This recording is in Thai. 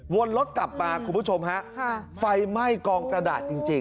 วนรถกลับมาคุณผู้ชมฮะไฟไหม้กองกระดาษจริงจริง